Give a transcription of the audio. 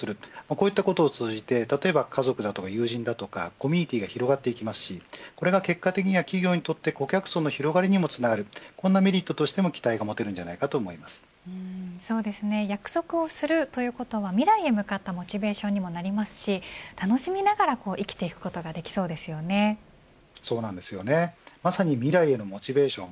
こういったことを通じて例えば家族や友人コミュニティが広がっていきますしこれが結果的に企業によって顧客層の広がりにもつながるこんなメリットにも約束をするということは未来に向かったモチベーションにもなりますし楽しみながら生きていくことがまさに未来へのモチベーション